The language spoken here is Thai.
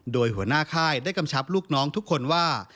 โดยหัวหน้าค่ายได้กำชับลูกน้องทุกคนว่า